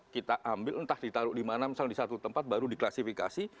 kita ambil entah ditaruh di mana misalnya di satu tempat baru diklasifikasi